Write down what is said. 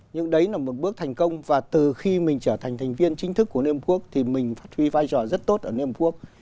nhưng đấy là một bước thành công và từ khi mình trở thành thành viên chính thức của liên hợp quốc thì mình phát huy vai trò rất tốt ở liên hợp quốc